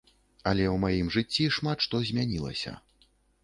Але ў маім жыцці шмат што змянілася.